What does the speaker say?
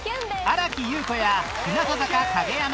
新木優子や日向坂影山